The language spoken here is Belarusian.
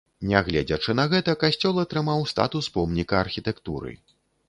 Нягледзячы на гэта, касцёл атрымаў статус помніка архітэктуры.